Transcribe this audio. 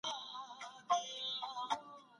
هیوادونه د کلتوري ارزښتونو درناوی په نړیواله کچه کوي.